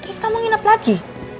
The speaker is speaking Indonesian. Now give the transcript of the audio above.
terus kamu nginep lagi